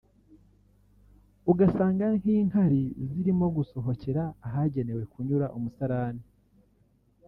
ugasanga nk’ inkari zirimo gusohokera ahagenewe kunyura umusarane